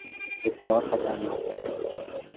بسیار خطرناک